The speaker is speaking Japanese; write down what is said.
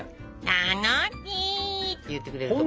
「楽しい！」って言ってくれると思う。